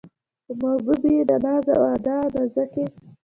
خو محبوبې يې د ناز و ادا او نازکۍ